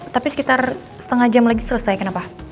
tapi sekitar setengah jam lagi selesai kenapa